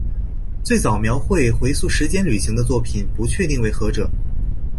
最早描绘回溯时间旅行的作品不确定为何者。